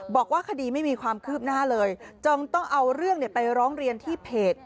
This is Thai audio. บอกว่าคดีไม่มีความคืบหน้าเลยจึงต้องเอาเรื่องไปร้องเรียนที่เพจ